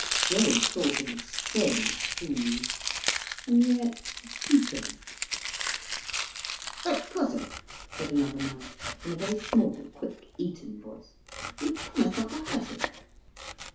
Gerald thought him a strange fool, and yet piquant. "But Pussum," said another man, in a very small, quick Eton voice, "you promised not to hurt him."